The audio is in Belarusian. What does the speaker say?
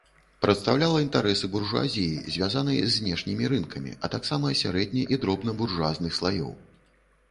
Прадстаўляла інтарэсы буржуазіі, звязанай з знешнімі рынкамі, а таксама сярэдне- і дробнабуржуазных слаёў.